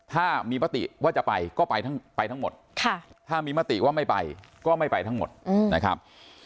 ถ้ามีมติว่าจะไปก็ไปทั้งหมดถ้ามีมติว่าไม่ไปก็ไม่ไปทั้งหมดนะครับ